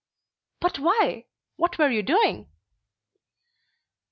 "But why? What were you doing?"